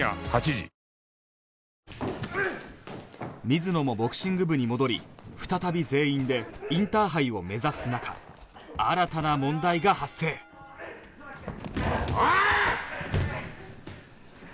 水野もボクシング部に戻り再び全員でインターハイを目指す中新たな問題が発生おい！！